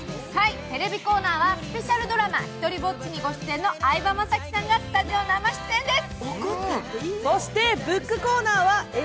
ＴＶコーナーはスペシャルドラマ「ひとりぼっち」にご出演の相葉雅紀さんがスタジオ生出演です。